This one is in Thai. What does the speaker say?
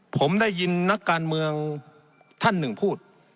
ผมได้ยินนักการเมืองท่านหนึ่งพูด